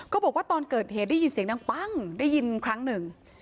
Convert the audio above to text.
บอกว่าตอนเกิดเหตุได้ยินเสียงดังปั้งได้ยินครั้งหนึ่ง